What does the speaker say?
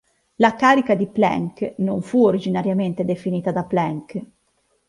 La carica di Planck non fu originariamente definita da Planck.